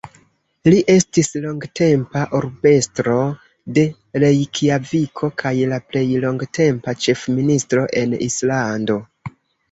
Li estis longtempa urbestro de Rejkjaviko kaj la plej longtempa ĉefministro en Islando.